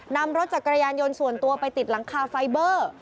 นำรถจักรยานยนต์ส่วนตัวไปติดหลังคาไฟเบอร์